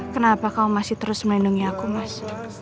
kenapa kau masih terus melindungi aku mas